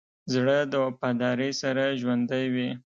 زړه د وفادارۍ سره ژوندی وي.